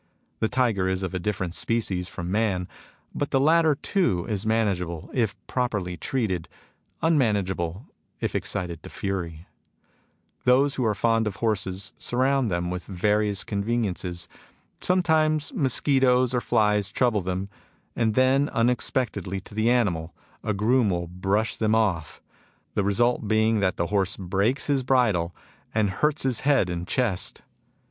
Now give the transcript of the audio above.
The tiger is of a different species from man ; but the latter too is manageable if properly treated, immanageable if excited to fury. '' Those who are fond of horses surround them with various conveniences. Sometimes mos quitoes or flies trouble them ; and then, unex pectedly to the animal, a groom will brush them off, the result being that the horse breaks his bridle, and hurts his head and chest.